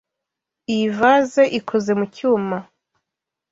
Iyi vase ikozwe mucyuma.